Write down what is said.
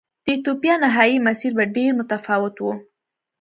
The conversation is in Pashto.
د ایتوپیا نهايي مسیر به ډېر متفاوت و.